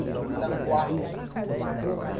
Tanguá